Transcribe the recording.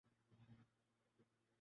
یہ پانی کس طرف جاتا ہے